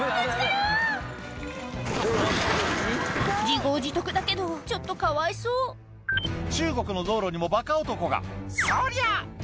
自業自得だけどちょっとかわいそう中国の道路にもバカ男が「そりゃ！」